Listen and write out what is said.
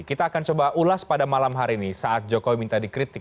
kita akan coba ulas pada malam hari ini saat jokowi minta dikritik